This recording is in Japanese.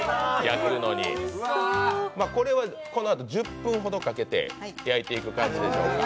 これはこのあと１０分ほどかけて焼いていく感じです。